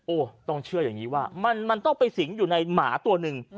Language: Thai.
ต้องเชื่ออย่างนี้ว่ามันต้องไปสิงอยู่ในหมาตัวหนึ่ง